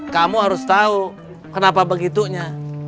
kamu harus tahu kenapa begitunya